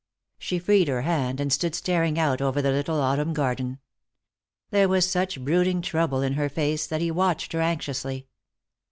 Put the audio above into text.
She freed her hand, and stood staring out over the little autumn garden. There was such brooding trouble in her face that he watched her anxiously.